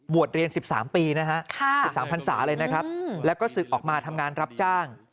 เรียน๑๓ปีนะฮะ๑๓พันศาเลยนะครับแล้วก็ศึกออกมาทำงานรับจ้าง